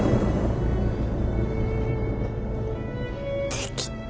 できた。